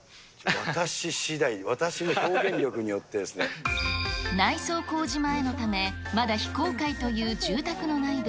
私しだい、私の表現力によっ内装工事前のため、まだ非公開という住宅の内部。